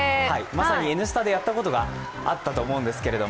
まさに「Ｎスタ」でやったことがあったと思うんですけど。